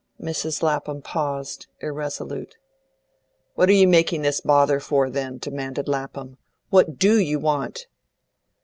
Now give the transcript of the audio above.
Mrs. Lapham paused, irresolute. "What are you making this bother for, then?" demanded Lapham. "What DO you want?"